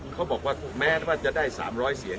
คือเขาบอกว่าแม้ว่าจะได้๓๐๐เสียง